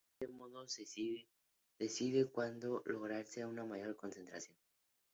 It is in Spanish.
De ese modo, se dice, puede lograrse una mayor concentración.